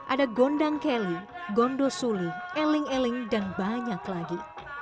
ada gondang keli gondosuli eling eling dan banyak lagi